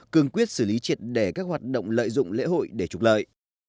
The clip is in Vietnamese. cương quyết xử lý triệt để các hoạt động lợi dụng lễ hội để trục lợi